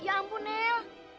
ya ampun nel